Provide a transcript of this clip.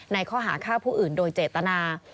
ข้อหาฆ่าผู้อื่นโดยเจตนา